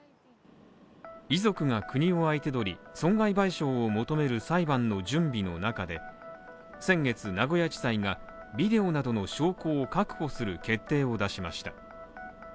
遺族が国を相手取り損害賠償を求める裁判の準備の中で、先月名古屋地裁が、ビデオなどの証拠を確保する決定を出しました。